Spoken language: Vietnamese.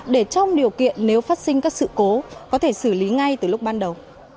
để trong điều kiện nếu phát sinh các sự cố có thể xử lý ngay từ lúc ban đầu